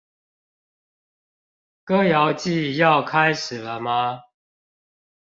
歌謠祭要開始了嗎